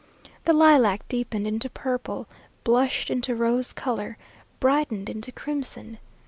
The lilac deepened into purple, blushed into rose colour, brightened into crimson.